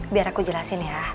biar aku jelasin ya